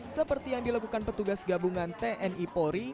seperti yang dilakukan petugas gabungan tni polri